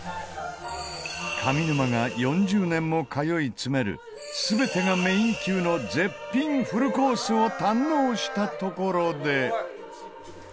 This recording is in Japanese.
上沼が４０年も通いつめる全てがメイン級の絶品フルコースを堪能したところで。